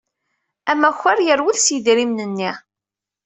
Amakar yerwel s yidrimen-nni.